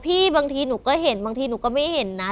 บางทีหนูก็เห็นบางทีหนูก็ไม่เห็นนะ